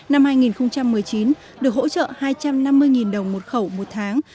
năm hai nghìn một mươi chín được hỗ trợ hai trăm năm mươi đồng một khẩu một tháng